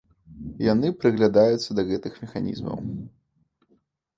Яны прыглядаюцца да гэтых механізмаў.